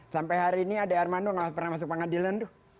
sampai hari ini ade armando nggak pernah masuk pengadilan tuh